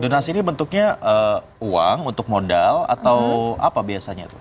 donasi ini bentuknya uang untuk modal atau apa biasanya tuh